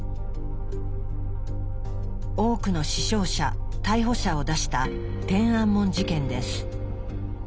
多くの死傷者逮捕者を出した「天安門事件」です。